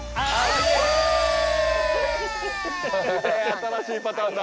新しいパターンだ。